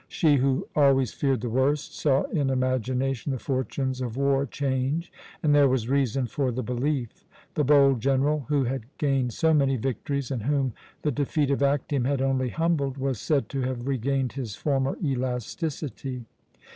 She, who always feared the worst, saw in imagination the fortunes of war change and there was reason for the belief. The bold general who had gained so many victories, and whom the defeat of Actium had only humbled, was said to have regained his former elasticity.